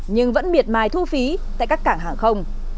nhưng vẫn miệt mài thu phí tại các cảng hàng không